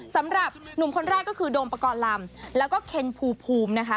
สำหรับหนุ่มคนแรกก็คือโดมปกรณ์ลำแล้วก็เคนภูมินะคะ